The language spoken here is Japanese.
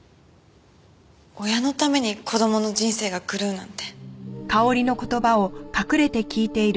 親のために子供の人生が狂うなんて。